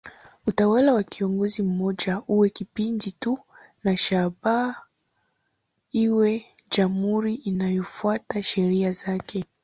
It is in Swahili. Utawala wa kiongozi mmoja uwe kipindi tu na shabaha iwe jamhuri inayofuata sheria zake.